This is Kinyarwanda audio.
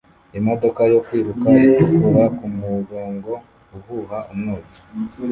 Imodoka yo kwiruka itukura kumurongo uhuha umwotsi